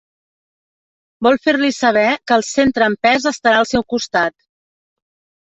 Vol fer-li saber que el centre en pes estarà al seu costat.